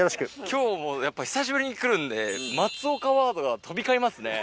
今日やっぱ久しぶりに来るんで松岡ワードが飛び交いますね。